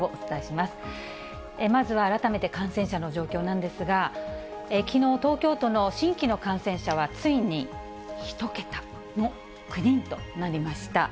まずは改めて感染者の状況なんですが、きのう東京都の新規の感染者は、ついに１桁の９人となりました。